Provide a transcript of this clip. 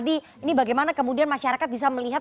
ini bagaimana kemudian masyarakat bisa melihat